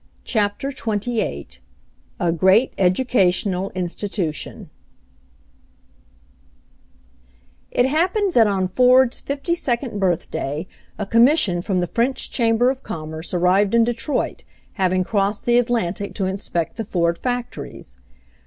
CHAPTER XXVIII A GREAT EDUCATIONAL INSTITUTION It happened that on Ford's fifty second birth day a commission from the French Chamber of Commerce arrived in Detroit, having crossed the Atlantic to inspect the Ford factories.